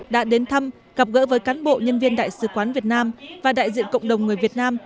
đã đến thăm gặp gỡ với cán bộ nhân viên đại sứ quán việt nam và đại diện cộng đồng người việt nam